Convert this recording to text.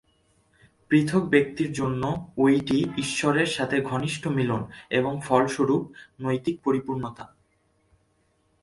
পৃথক ব্যক্তির জন্য এটি ঈশ্বরের সাথে ঘনিষ্ঠ মিলন এবং ফলস্বরূপ নৈতিক পরিপূর্ণতা।